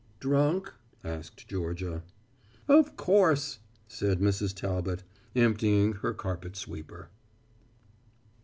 "Drunk?" asked Georgia. "Of course," said Mrs. Talbot, emptying her carpet sweeper.